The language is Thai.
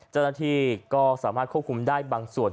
เจ้าหน้าที่ก็สามารถควบคุมได้บางส่วน